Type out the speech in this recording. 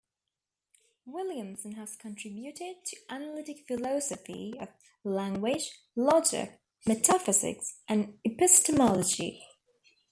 Williamson has contributed to analytic philosophy of language, logic, metaphysics and epistemology.